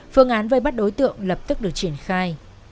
phương án vây bắt đối tượng lập tức được triển khai